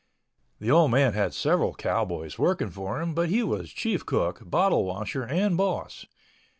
The old man had several cowboys working for him, but he was chief cook, bottle washer and boss.